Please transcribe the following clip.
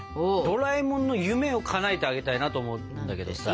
ドラえもんの夢をかなえてあげたいなと思うんだけどさ。